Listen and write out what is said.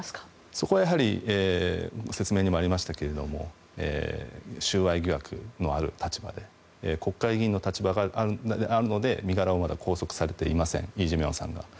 そこはやはり、説明にもありましたが収賄疑惑のある立場で国会議員の立場があるので身柄をまだ拘束されていませんイ・ジェミョンさんの。